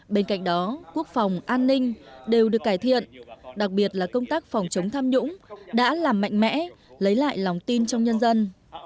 bên cạnh đó quốc phòng an ninh đều được cải thiện đặc biệt là công tác phòng chống tham nhũng đã làm mạnh mẽ lấy lại lòng tin trong nhân dân